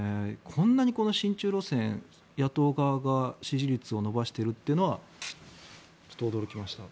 こんなにこの親中路線、野党側が支持率を伸ばしているというのはちょっと驚きましたね。